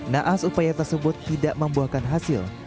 naas upaya tersebut tidak membuahkan hasil